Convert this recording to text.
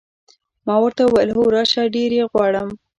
ما ورته وویل: هو، راشه، ډېر یې غواړم.